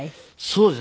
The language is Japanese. そうですね。